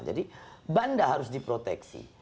jadi bandar harus diproteksi